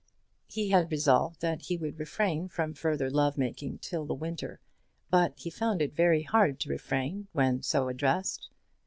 He had resolved that he would refrain from further love making till the winter; but he found it very hard to refrain when so addressed.